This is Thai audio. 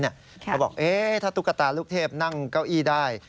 เขาบอกถ้าตุ๊กตาลูกเทพนั่งเก้าอี้ได้